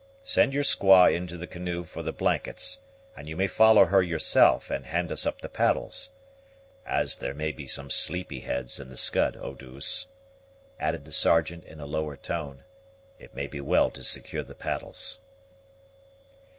Send your squaw into the canoe for the blankets and you may follow her yourself, and hand us up the paddles. As there may be some sleepy heads in the Scud, Eau douce," added the Sergeant in a lower tone, "it may be well to secure the paddles."